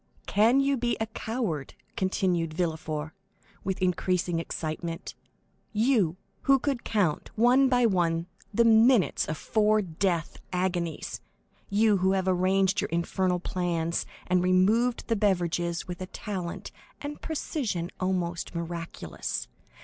"Can you be a coward?" continued Villefort, with increasing excitement, "you, who could count, one by one, the minutes of four death agonies? You, who have arranged your infernal plans, and removed the beverages with a talent and precision almost miraculous?